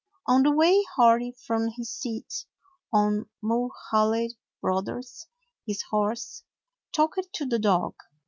On the way, Hori, from his seat on Mulhaly Brothers, his horse, talked to the dog.